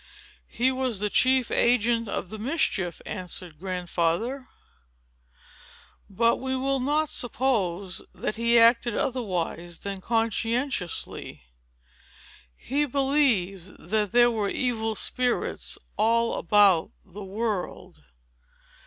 "He was the chief agent of the mischief," answered Grandfather; "but we will not suppose that he acted otherwise than conscientiously. He believed that there were evil spirits all about the world.